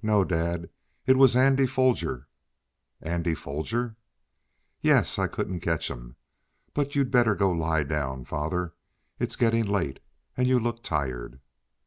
"No, dad. It was Andy Foger." "Andy Foger!" "Yes. I couldn't catch him. But you'd better go lie down, father. It's getting late, and you look tired."